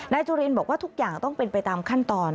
จุลินบอกว่าทุกอย่างต้องเป็นไปตามขั้นตอน